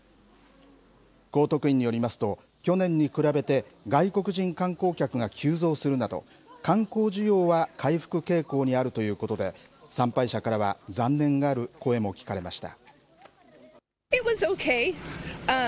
高徳院によりますと、去年に比べて外国人観光客が急増するなど、観光需要は回復傾向にあるということで、参拝者からは残念がる声も聞かれました。